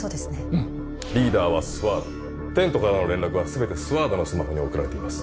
うんリーダーはスワードテントからの連絡は全てスワードのスマホに送られています